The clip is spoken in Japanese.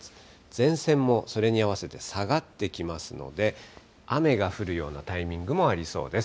前線もそれに合わせて下がってきますので、雨が降るようなタイミングもありそうです。